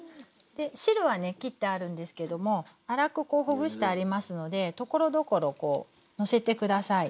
汁はねきってあるんですけども粗くこうほぐしてありますのでところどころこうのせて下さい。